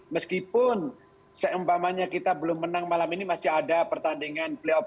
meskipun seempamanya kita belum menang malam ini masih ada pertandingan